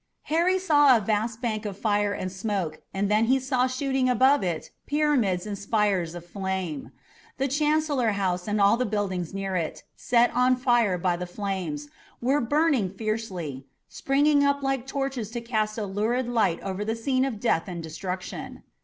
Harry saw a vast bank of fire and smoke and then he saw shooting above it pyramids and spires of flame. The Chancellor House and all the buildings near it, set on fire by the flames, were burning fiercely, springing up like torches to cast a lurid light over that scene of death and destruction.